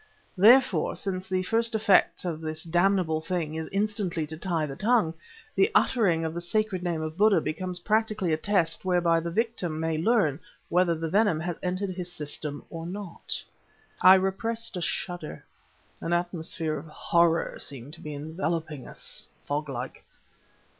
Therefore, since the first effects of this damnable thing is instantly to tie the tongue, the uttering of the sacred name of Buddha becomes practically a test whereby the victim my learn whether the venom has entered his system or not!" I repressed a shudder. An atmosphere of horror seemed to be enveloping us, foglike.